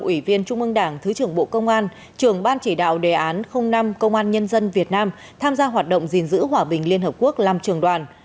ủy viên trung ương đảng thứ trưởng bộ công an trưởng ban chỉ đạo đề án năm công an nhân dân việt nam tham gia hoạt động gìn giữ hòa bình liên hợp quốc làm trường đoàn